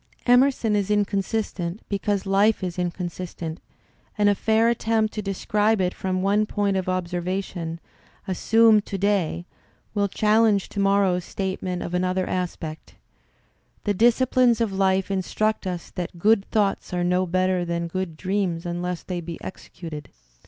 Emerson is inconsistent because life is inconsistent, and a fair attempt to describe it from one point of observation, assumed to day, will challenge to morrow's statement of Digitized by Google 60 THE SPIRIT OF AMERICAN LITERATURE anoiher aspect. The disciplines of life instruct us that '"good thoughts are no better than good dreams unless they be executed."